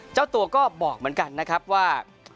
เจ้าตัวก็บอกเหมือนกันนะครับว่า